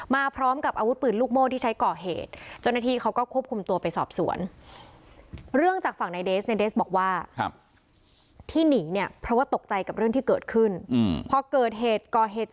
มาพร้อมกับอาวุธปืนลูกโม่ที่ใช้ก่อเหตุ